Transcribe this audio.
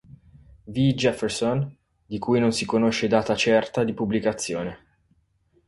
V. Jefferson di cui non si conosce data certa di pubblicazione.